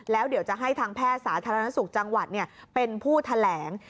แล้วเดี๋ยวจะให้ทางแพทย์สาธารณสุขจังหวัดเป็นผู้แถลง